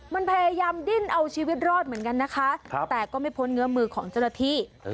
มันพยายามดิ้นเอาชีวิตรอดเหมือนกันนะคะแต่ก็ไม่พ้นเงื้อมือของเจ้าหน้าที่